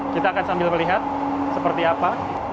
kita akan sambil melihat seperti apa